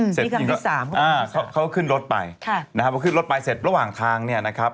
อืมนี่คำที่สามเขาก็ขึ้นรถไปเขาก็ขึ้นรถไปเสร็จระหว่างทางเนี่ยนะครับ